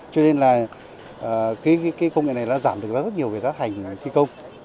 cho nên là công nghệ này giảm được rất nhiều về giá thành thi công